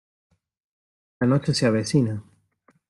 la noche se avecina.